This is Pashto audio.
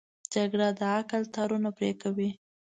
جګړه د عقل تارونه پرې کوي